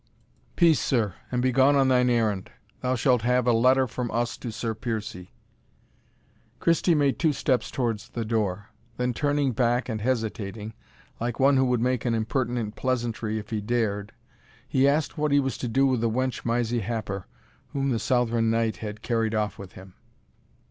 "Peace, sir, and begone on thine errand thou shalt have a letter from us to Sir Piercie." Christie made two steps towards the door; then turning back and hesitating, like one who would make an impertinent pleasantry if he dared, he asked what he was to do with the wench Mysie Happer whom the Southron knight had carried off with him.